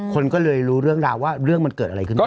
คนก็เลยรู้เรื่องราวว่าเรื่องมันเกิดอะไรขึ้นบ้าง